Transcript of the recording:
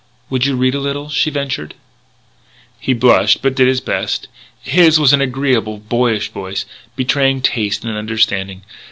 "Would you read a little?" she ventured. He blushed but did his best. His was an agreeable, boyish voice, betraying taste and understanding.